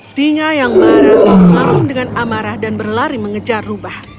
singa yang baru malam dengan amarah dan berlari mengejar rubah